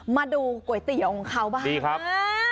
มาดูก๋วยเตี๋ยวของเขาบ้าง